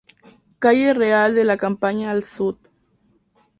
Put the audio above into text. Calle Real de la Campaña al Sud.